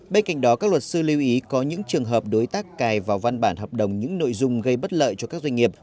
bên cạnh đó các luật sư lưu ý có những trường hợp đối tác cài vào văn bản hợp đồng những nội dung gây bất lợi cho các doanh nghiệp